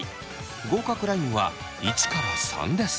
合格ラインは１から３です。